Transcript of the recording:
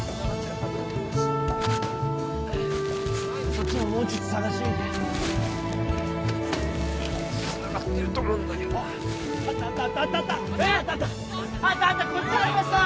そっちももうちょっと探してみてつながってると思うんだけどなあっあったあったあったあったあったあったこっちにありました！